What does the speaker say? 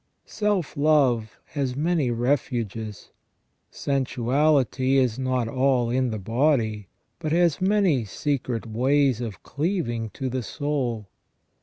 Self love has many refuges. Sensu ality is not all in the body, but has many secret ways of cleaving to the soul.